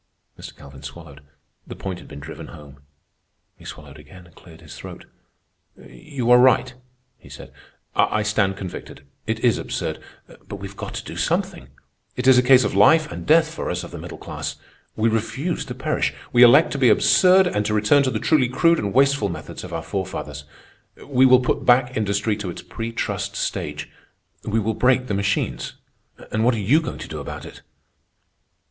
Mr. Calvin swallowed. The point had been driven home. He swallowed again and cleared his throat. "You are right," he said. "I stand convicted. It is absurd. But we've got to do something. It is a case of life and death for us of the middle class. We refuse to perish. We elect to be absurd and to return to the truly crude and wasteful methods of our forefathers. We will put back industry to its pre trust stage. We will break the machines. And what are you going to do about it?"